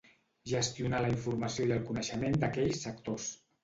Gestionar la informació i el coneixement d'aquells sectors.